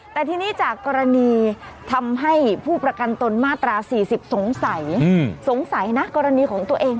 แต่ทีนี้จากกรณีทำให้ผู้ประกันตนมาตรา๔๐สงสัยสงสัยนะกรณีของตัวเอง